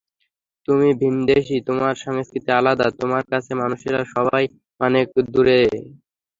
তুমি ভিনদেশি, তোমার সংস্কৃতি আলাদা, তোমার কাছের মানুষেরা সবাই অনেক অনেক দুরে।